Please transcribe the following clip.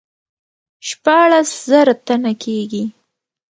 شپاړس زره تنه کیږي.